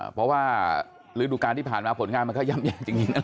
เพราะว่าฤดูการที่ผ่านมาผลงานมันก็ย่ำแย่จริง